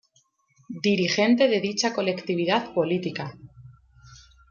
Dirigente de dicha colectividad política.